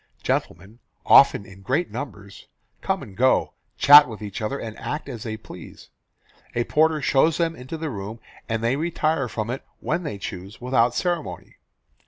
Gentlemen, often in great numbers, come and go, chat with each other, and act as they please. A porter shows them into the room, and they retire from it when they choose, without ceremony.